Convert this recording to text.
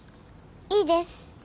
いいです。